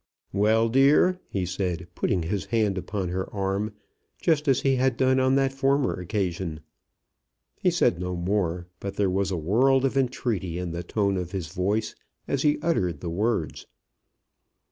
"Well, dear," he said, putting his hand upon her arm, just as he had done on that former occasion. He said no more, but there was a world of entreaty in the tone of his voice as he uttered the words.